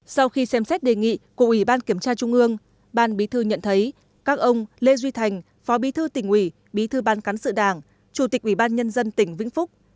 sau khi xem xét đề nghị của ủy ban kiểm tra trung ương ban bí thư nhận thấy các ông lê duy thành phó bí thư tỉnh ủy bí thư ban cán sự đảng chủ tịch ủy ban nhân dân tỉnh vĩnh phúc